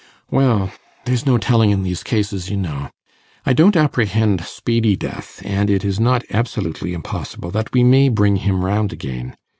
'Well, there's no telling in these cases, you know. I don't apprehend speedy death, and it is not absolutely impossible that we may bring him round again.